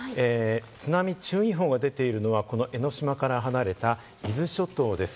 津波注意報が出ているのはこの江の島から離れた伊豆諸島です。